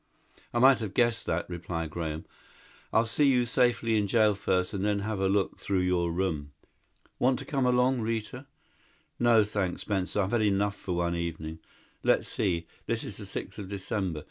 "I might have guessed that," replied Graham. "I'll see you safely in jail first and then have a look through your room. Want to come along, Rita?" "No, thanks, Spencer. I've had enough for one evening. Let's see. This is the sixth of December.